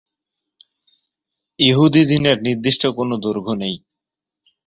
ইহুদি দিনের নির্দিষ্ট কোন দৈর্ঘ্য নেই।